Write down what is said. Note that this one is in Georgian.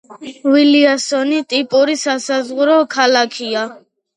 ვილიასონი ტიპური სასაზღვრო ქალაქია.